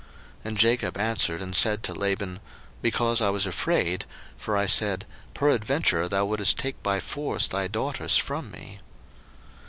01:031:031 And Jacob answered and said to Laban, Because I was afraid: for I said, Peradventure thou wouldest take by force thy daughters from me.